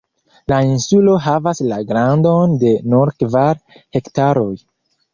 La insulo havas la grandon de nur kvar hektaroj.